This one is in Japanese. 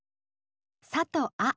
「さ」と「あ」